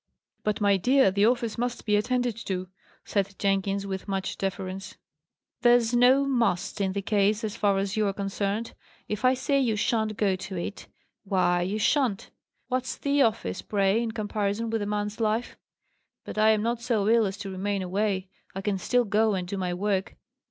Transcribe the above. "But, my dear, the office must be attended to," said Jenkins, with much deference. "There's no 'must' in the case, as far as you are concerned. If I say you shan't go to it, why, you shan't. What's the office, pray, in comparison with a man's life?" "But I am not so ill as to remain away. I can still go and do my work."